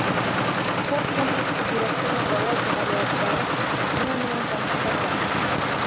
Спорт комплексы директоры Ғаяз Ғәлиәкбәров бина менән таныштырҙы.